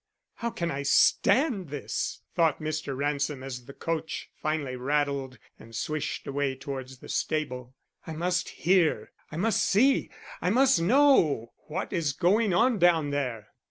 "How can I stand this?" thought Mr. Ransom as the coach finally rattled and swished away towards the stable. "I must hear, I must see, I must know what is going on down there."